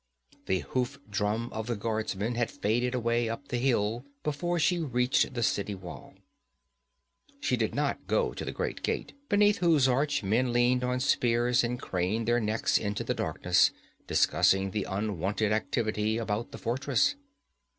The hoof drum of the guardsmen had faded away up the hill before she reached the city wall. She did not go to the great gate, beneath whose arch men leaned on spears and craned their necks into the darkness, discussing the unwonted activity about the fortress.